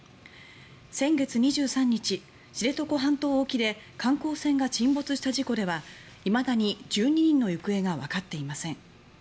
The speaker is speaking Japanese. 先月２３日、知床半島沖で観光船が沈没した事故ではいまだに１２人の行方がわかっていません。